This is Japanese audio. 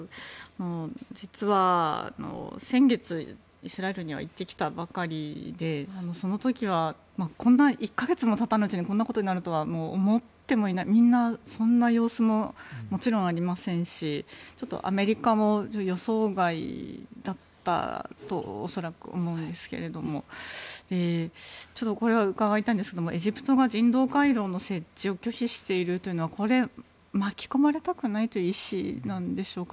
実は先月、イスラエルには行ってきたばかりでその時は１か月もたたないうちにこんなことになるとは思ってもいないみんな、そんな様子ももちろんありませんしちょっとアメリカも予想外だったと恐らく思うんですがちょっとこれは伺いたいんですがエジプトが人道回廊の設置を拒否しているというのはこれは巻き込まれたくないという意思なんでしょうか。